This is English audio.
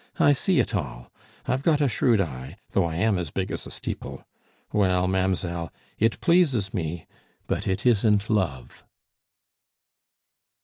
I see it all; I've got a shrewd eye, though I am as big as a steeple. Well, mamz'elle, it pleases me, but it isn't love."